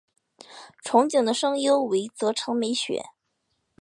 憧憬的声优为泽城美雪。